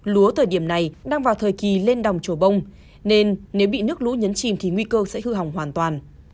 lúa thời điểm này đang vào thời kỳ lên đồng trổ bông nên nếu bị nước lũ nhấn chìm thì nguy cơ sẽ hư hỏng hoàn toàn